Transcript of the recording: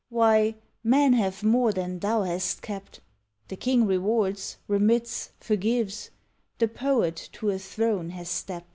Why, men have more than Thou hast kept; The king rewards, remits, forgives, The poet to a throne has stept.